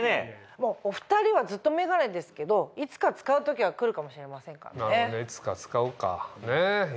もうお２人はずっと眼鏡ですけどいつか使う時が来るかもしれませんからね。